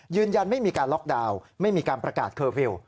ยืนยันไม่มีการล็อกดาวน์ไม่มีการประกาศเคอร์ฟิลล์